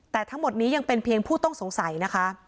แต่ทั้งหมดนี้ยังเป็นเพียงผู้ต้องสงสัยนะคะ